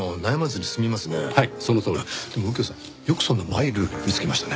でも右京さんよくそんなマイルール見つけましたね。